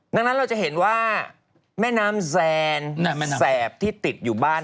ดังนั้นเราจะเห็นว่าแม่น้ำแซนแสบที่ติดอยู่บ้าน